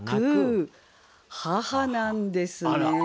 「母」なんですね。